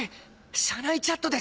社内チャットです。